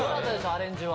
アレンジは。